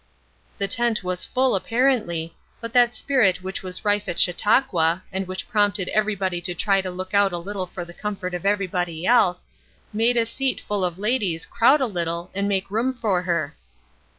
The tent was full apparently; but that spirit which was rife at Chautauqua, and which prompted everybody to try to look out a little for the comfort of everybody else, made a seat full of ladies crowd a little and make room for her.